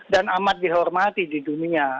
dan amat dihormati di dunia